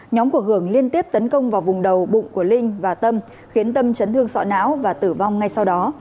nhóm của hường liên tiếp tấn công vào vùng đầu bụng của linh và tâm khiến tâm chấn thương sọ não và tử vong ngay sau đó